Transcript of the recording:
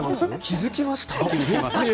気付きましたか？